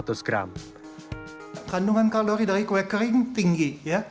kandungan kalori dari kue kering tinggi